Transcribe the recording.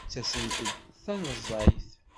Ttasent-d tanezzayt.